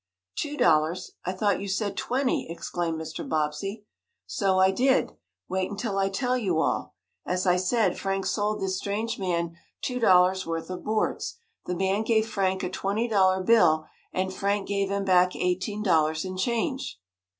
"Two dollars I thought you said twenty!" exclaimed Mr. Bobbsey. "So I did. Wait until I tell you all. As I said, Frank sold this strange man two dollars worth of boards. The man gave Frank a twenty dollar bill, and Frank gave him back eighteen dollars in change."